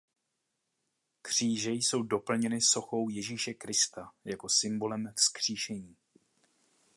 Kříže jsou doplněny sochou Ježíše Krista jako symbolem Vzkříšení.